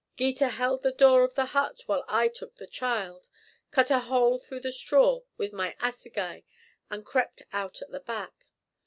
Gita held the door of the hut while I took the child, cut a hole through the straw with my assegai, and crept out at the back.